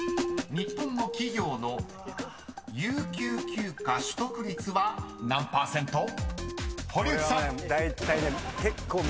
［日本の企業の有給休暇取得率は何％か］